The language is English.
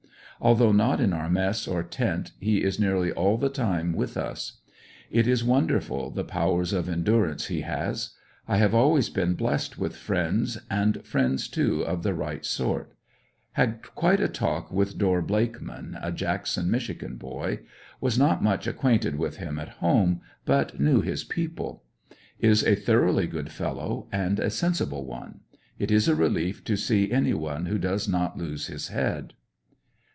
Although not in our mess or tent, he is nearly all the time with us. It is wonderful the powers of endur ance he has. I have always been blessed with friends, and friends, too, of the right sort. Had quite a talk with Dorr Blakeman, a Jackson, Mich., boy. Was not much acquainted with him at home but knew his people. Is a thoroughly good fellow, and a sensible one. It is a relief to see any one who does not lose his head.